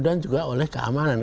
dan juga oleh keamanan